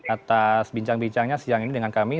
atas bincang bincangnya siang ini dengan kami